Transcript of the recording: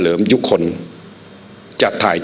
เพราะยังไม่ได้ไปเห็น